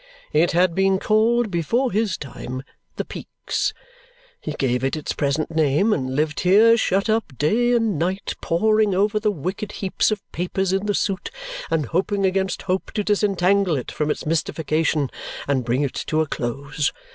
"It had been called, before his time, the Peaks. He gave it its present name and lived here shut up, day and night poring over the wicked heaps of papers in the suit and hoping against hope to disentangle it from its mystification and bring it to a close.